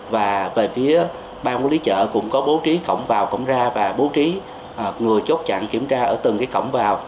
và về phía bang quản lý chợ cũng có bố trí cổng vào cổng ra và bố trí người chốt chặn kiểm tra ở từng cổng vào